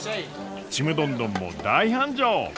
ちむどんどんも大繁盛！